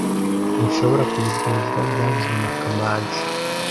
Ntushobora kubiryozwa byavuzwe na kamanzi